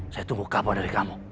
saya tunggu kabar dari kamu